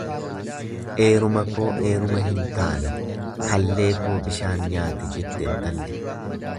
Eeruma koo eeruma hin taane kallee koo bishaan nyaate, jette intalli.